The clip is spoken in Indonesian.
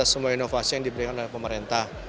semua inovasi yang diberikan oleh pemerintah